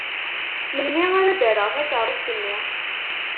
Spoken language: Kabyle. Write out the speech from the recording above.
Melmi ara d-rreɣ takeṛṛust-nni?